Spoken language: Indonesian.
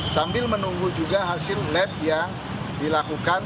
sambil menunggu juga hasil lab yang dilakukan